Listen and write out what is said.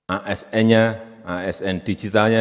asn nya asn digitalnya